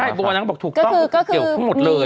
ใช่โบนั้นเขาบอกถูกต้องเกี่ยวทั้งหมดเลย